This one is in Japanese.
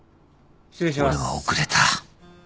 俺は遅れた。